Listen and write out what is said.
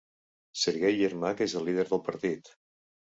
Sergey Yermak és el líder del partit.